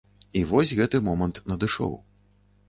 І вось гэты момант надышоў.